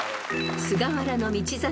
［菅原道真